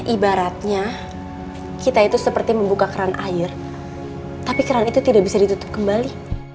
ibaratnya kita itu seperti membuka keran air tapi keran itu tidak bisa ditutup kembali